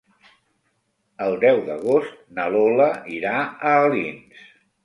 El deu d'agost na Lola irà a Alins.